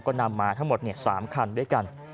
ก็นำมาทั้งหมด๓คันด้วยกัน